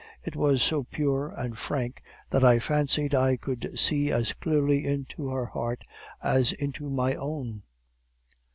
It was so pure and frank that I fancied I could see as clearly into her heart as into my own.